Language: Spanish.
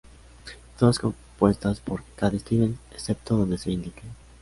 Todas compuestas por Cat Stevens, excepto donde se indique.